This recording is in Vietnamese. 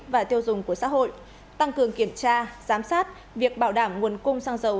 và tiêu dùng của xã hội tăng cường kiểm tra giám sát việc bảo đảm nguồn cung xăng dầu